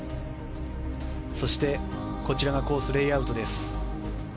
そしてこちらがコースレイアウトです。